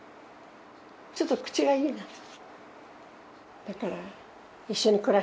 ちょっと口がイイなの。